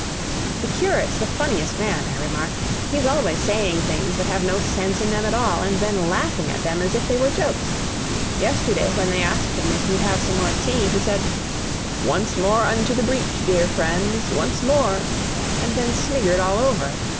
"The Curate's the funniest man," I remarked. "He's always saying things that have no sense in them at all, and then laughing at them as if they were jokes. Yesterday, when they asked him if he'd have some more tea he said 'Once more unto the breach, dear friends, once more,' and then sniggered all over.